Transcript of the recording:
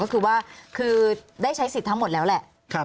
ก็คือว่าคือได้ใช้สิทธิ์ทั้งหมดแล้วแหละ